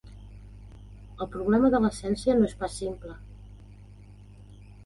El problema de l'essència no és pas simple.